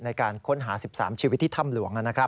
ในการค้นหา๑๓ชีวิตที่ถ้ำหลวง